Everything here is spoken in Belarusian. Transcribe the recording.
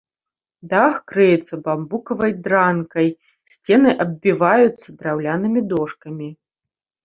Дах крыецца бамбукавай дранкай, сцены аббіваюцца драўлянымі дошкамі.